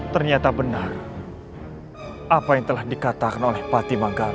ternyata benar apa yang telah dikatakan oleh pati manggarai